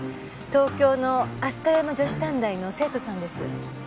東京の飛鳥山女子短大の生徒さんです。